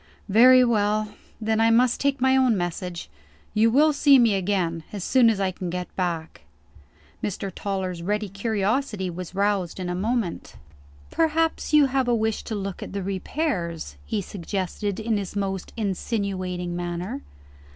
"Very well. Then I must take my own message. You will see me again, as soon as I can get back." Mr. Toller's ready curiosity was roused in a moment. "Perhaps, you wish to have a look at the repairs?" he suggested in his most insinuating manner.